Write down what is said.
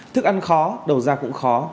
thức ăn khó đầu gia cũng khó